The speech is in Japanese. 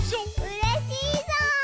うれしいぞう！